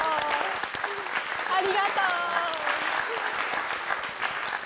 ありがとう！